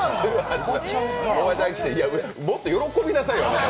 もっと喜びなさいよ、あなた。